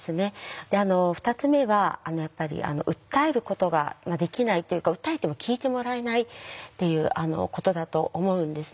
２つ目は訴えることができないっていうか訴えても聞いてもらえないっていうことだと思うんですね。